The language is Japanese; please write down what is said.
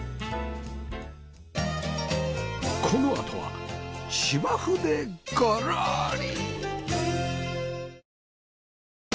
このあとは芝生でゴロリ